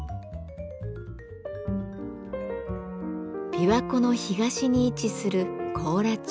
琵琶湖の東に位置する甲良町。